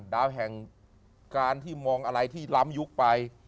ดาวแห่งการที่มองอะไรที่ล้ำยุคไป